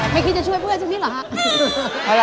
ไม่คิดจะช่วยเพื่อนจริงหรือฮะ